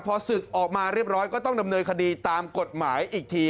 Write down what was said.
พอศึกออกมาเรียบร้อยก็ต้องดำเนินคดีตามกฎหมายอีกที